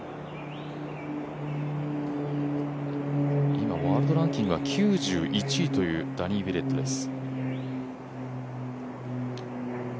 今、ワールドランキングは９１位というダニー・ウィレットです。